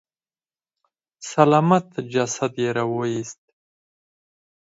سلامت جسد يې راويست.